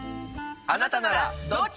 あなたならどっち？